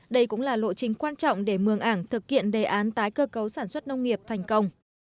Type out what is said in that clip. đây cũng là lộ trình quan trọng để mường ảng thực hiện đề án tái cơ cấu sản xuất nông nghiệp thành công